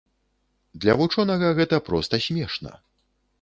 Для вучонага гэта проста смешна.